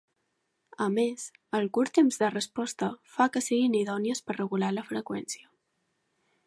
A més, el curt temps de resposta fa que siguin idònies per regular la freqüència.